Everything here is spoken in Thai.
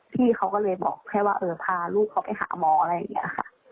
พี่เขาก็เลยบอกแค่ว่าเออพาลูกเขาไปหาหมออะไรอย่างนี้ค่ะ